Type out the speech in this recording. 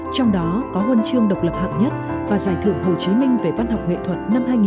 trong đó có huân chương độc lập hạng nhất và giải thưởng hồ chí minh về văn học nghệ thuật năm hai nghìn một mươi tám